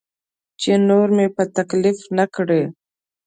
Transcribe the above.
چې نور مې په تکلیف نه کړي.